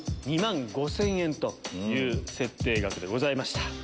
２万５０００円という設定額でございました。